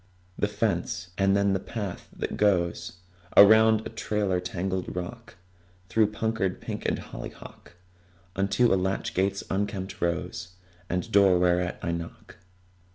The fence; and then the path that goes Around a trailer tangled rock, Through puckered pink and hollyhock, Unto a latch gate's unkempt rose, And door whereat I knock.